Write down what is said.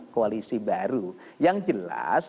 koalisi baru yang jelas